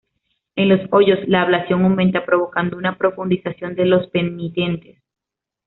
En los hoyos la ablación aumenta provocando una profundización de los penitentes.